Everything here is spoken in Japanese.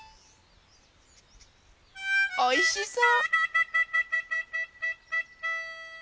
おいしそう。